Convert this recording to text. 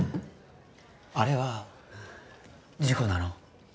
あれは事故なの？